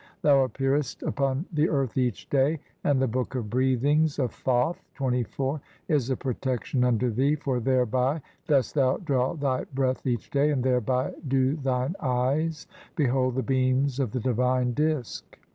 Thou appearest upon "the earth each day, and the Book of Breathings "of Thoth (24) is a protection unto thee, for thereby "dost thou draw thy breath each day, and thereby "do thine eyes behold the beams of the divine Disk.